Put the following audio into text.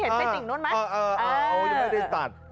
เช่นนำสายตาเห็นถึงไส้ติ่งโน่นพี่เห็นไส้ติ่งโน่นไหม